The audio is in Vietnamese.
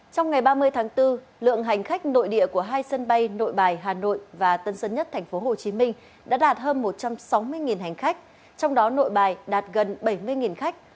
trong ngày ba mươi tháng bốn lượng hành khách nội địa của hai sân bay nội bài hà nội và tân sân nhất tp hcm đã đạt hơn một trăm sáu mươi hành khách trong đó nội bài đạt gần bảy mươi khách